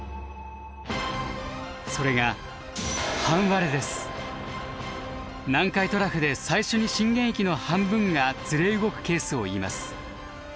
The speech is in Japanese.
それが南海トラフで最初に震源域の半分がずれ動くケースをいいます。